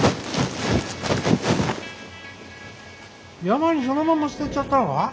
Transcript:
山にそのまんま捨てちゃったのか？